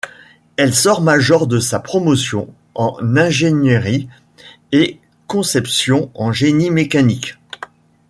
Elle sort major de sa promotion en Ingénierie et conception en génie mécanique.